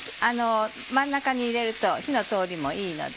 真ん中に入れると火の通りもいいので。